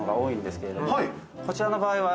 こちらの場合は。